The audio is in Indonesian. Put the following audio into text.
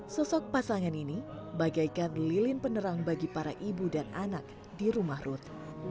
sosok pasangan ini bagaikan lilin penerang bagi para ibu dan anak di rumah rut